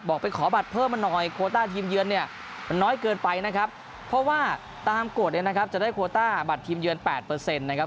ไปขอบัตรเพิ่มมาหน่อยโคต้าทีมเยือนเนี่ยมันน้อยเกินไปนะครับเพราะว่าตามกฎเนี่ยนะครับจะได้โคต้าบัตรทีมเยือน๘เปอร์เซ็นต์นะครับ